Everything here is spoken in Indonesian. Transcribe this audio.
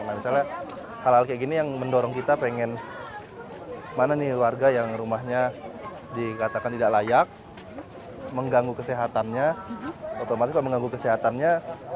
nah misalnya hal hal kayak gini yang mendorong kita pengen mana nih warga yang rumahnya dikatakan tidak layak mengganggu kesehatannya otomatis mengganggu kesehatannya